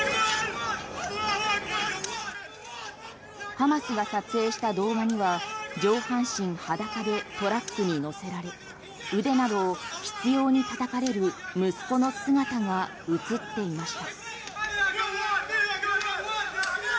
ハマスが撮影した動画には上半身裸でトラックに乗せられ腕などを執ように叩かれる息子の姿が映っていました。